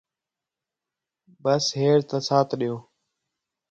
بس ہِیݨیں تا ساتھ ݙیؤ